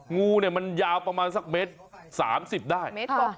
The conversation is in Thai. งูเนี่ยมันยาวประมาณสักเมตร๓๐ได้